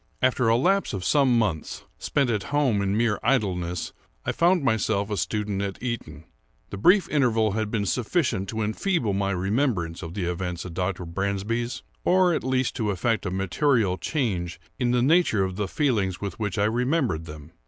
After a lapse of some months, spent at home in mere idleness, I found myself a student at Eton. The brief interval had been sufficient to enfeeble my remembrance of the events at Dr. Bransby's, or at least to effect a material change in the nature of the feelings with which I remembered them.